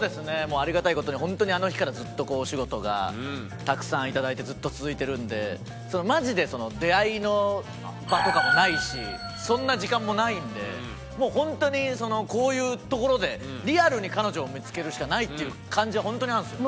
ありがたい事に本当にあの日からずっとお仕事がたくさんいただいてずっと続いてるんでマジで出会いの場とかもないしそんな時間もないので本当にこういうところでリアルに彼女を見付けるしかないっていう感じは本当にあるんですよ。